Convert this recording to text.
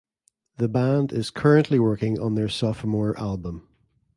The band is currently working on their sophomore album.